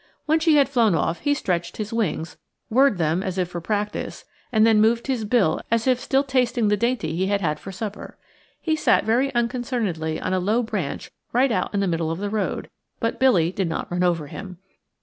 When she had flown off, he stretched his wings, whirred them as if for practice, and then moved his bill as if still tasting the dainty he had had for supper. He sat very unconcernedly on a low branch right out in the middle of the road, but Billy did not run over him.